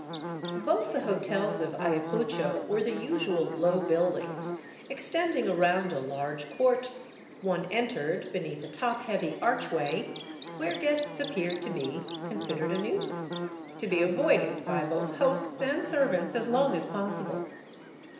Both the hotels of Ayacucho were the usual low buildings, extending around a large court one entered beneath a topheavy archway, where guests appeared to be considered a nuisance, to be avoided by both host and servants as long as possible.